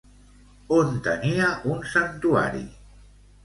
On tenia un santuari?